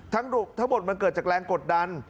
ทั้งหมดมันเกิดจากแรงกดดัน